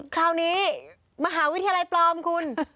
คราวนี้มหาวิทยาลัยปลอมคุณ